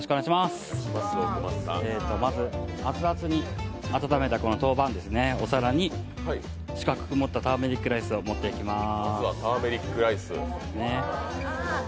まず、熱々に温めた陶板お皿に四角く盛ったターメリックライスを置いていきます。